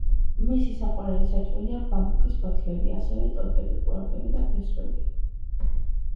მისი საყვარელი საჭმელია ბამბუკის ფოთლები, ასევე, ტოტები, ყლორტები და ფესვები.